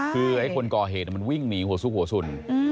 คือไอ้คนก่อเหตุมันวิ่งหนีหัวซุกหัวสุน